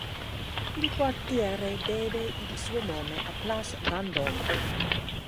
Il quartiere deve il suo nome a Place Vendôme.